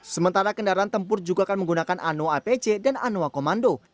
sementara kendaraan tempur juga akan menggunakan ano apc dan anoa komando